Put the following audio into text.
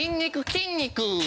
筋肉？